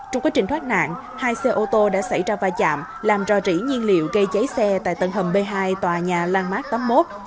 trong quá trình thoát nạn hai xe ô tô đã xảy ra va chạm làm rò rỉ nhiên liệu gây cháy xe tại tầng hầm b hai tòa nhà landmark tám mươi một